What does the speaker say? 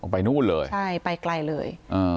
ไปนู่นเลยใช่ไปไกลเลย